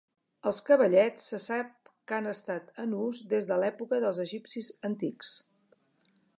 Els cavallets se sap que han estat en ús des de l'època dels egipcis antics.